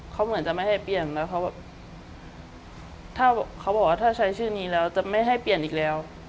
เขาเหมือนจะไม่ให้เปลี่ยนแล้วเขาแบบถ้าเขาบอกว่าถ้าใช้ชื่อนี้แล้วจะไม่ให้เปลี่ยนอีกแล้ว